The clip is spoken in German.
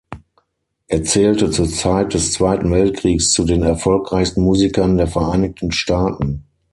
Er zählte zur Zeit des Zweiten Weltkriegs zu den erfolgreichsten Musikern der Vereinigten Staaten.